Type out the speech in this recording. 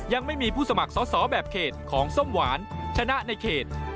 ยังไม่มีผู้สมัครสอสอแบบเขตของส้มหวานชนะในเขต